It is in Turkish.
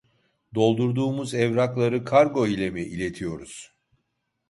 Doldurduğumuz evrakları kargo ile mi iletiyoruz?